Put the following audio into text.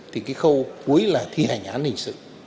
thì cái khâu cuối là thi hành án hình sự